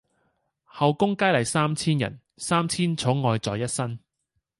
后宮佳麗三千人，三千寵愛在一身。